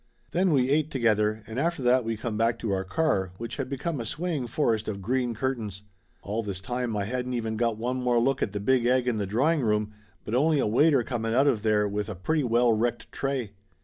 Then we ate together and after that we come back to our car, which had become a swaying forest of green curtains. All this time I hadn't even got one more look at the big egg in the drawing room but only a waiter coming out of there with a pretty well wrecked tray.